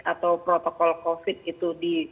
atau protokol covid itu di